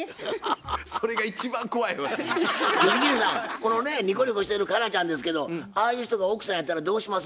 このねにこにこしてる佳奈ちゃんですけどああいう人が奥さんやったらどうします？